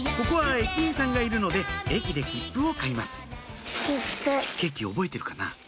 ここは駅員さんがいるので駅で切符を買いますケーキ覚えてるかな？